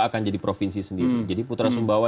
akan jadi provinsi sendiri jadi putra sumbawa